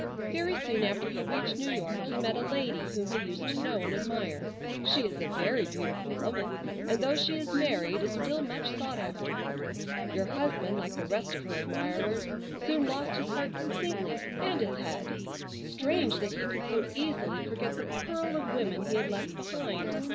Very soon after he reached New York he met a lady whom he used to know and admire. She is a very beautiful woman, and though she is married is still much sought after. Your husband, like the rest of her admirers, soon lost his heart completely, and his head. Strange that he could so easily forget the pearl of women he had left behind!